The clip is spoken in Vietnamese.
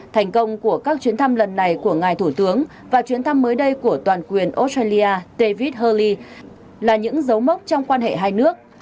thành công của các chuyến thăm lần này của ngài thủ tướng và chuyến thăm mới đây của toàn quyền australia tevid haley là những dấu mốc trong quan hệ hai nước